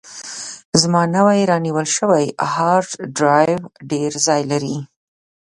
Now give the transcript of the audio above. زما نوی رانیول شوی هارډ ډرایو ډېر ځای لري.